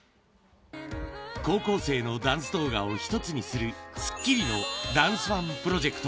高校生のダンス動画を一つにする、スッキリのダンスＯＮＥプロジェクト。